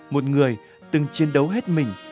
một người từng chiến đấu hết mình